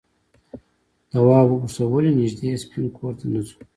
تواب وپوښتل ولې نږدې سپین کور ته نه ځو؟